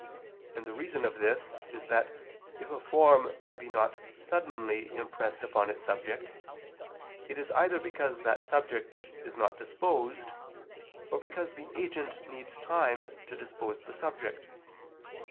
And the reason of this is that if a form be not suddenly impressed upon its subject, it is either because that subject is not disposed, or because the agent needs time to dispose the subject.